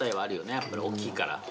やっぱり大きいから。